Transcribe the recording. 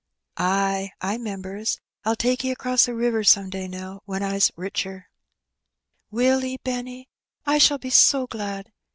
"Ay, I 'members. I'll take 'e across the river some day, Nell, when I's richer." "Will 'e, Benny? I shall be so glad.